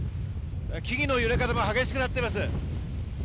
木々の揺れ方も激しくなってます。